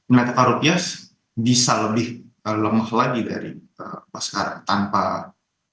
mereka kan rupiah bisa lebih lemah lagi dari apa sekarang tanpa koordinasi dari dua kementerian tersebut